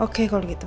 oke kalau gitu